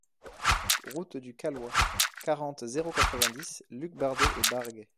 Route du Caloy, quarante, zéro quatre-vingt-dix Lucbardez-et-Bargues